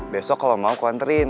besok kalau mau gue anterin